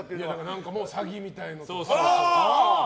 何かもう詐欺みたいなのとか。